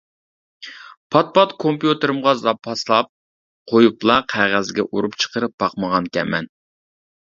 پات-پات كومپيۇتېرىمغا زاپاسلاپ قويۇپلا قەغەزگە ئۇرۇپ چىقىرىپ باقمىغانىكەنمەن.